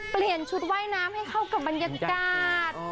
เปลี่ยนชุดว่ายน้ำให้เข้ากับบรรยากาศ